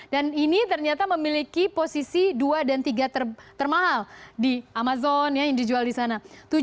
dan ini ternyata memiliki posisi dua dan tiga termahal di amazon yang dijual di sana